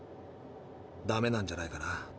ダメなんじゃないかな。